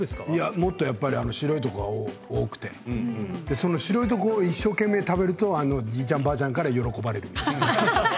もっと白いところが多くてその白いところを一生懸命食べるとじいちゃんばあちゃんから喜ばれる。